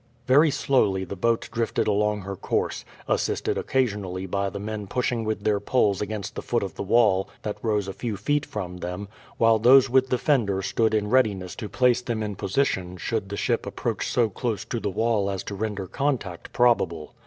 Very slowly the boat drifted along her course, assisted occasionally by the men pushing with their poles against the foot of the wall that rose a few feet from them, while those with the fender stood in readiness to place them in position should the ship approach so close to the wall as to render contact probable.